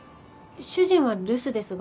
主人は留守ですが。